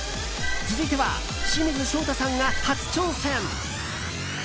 続いては、清水翔太さんが初挑戦。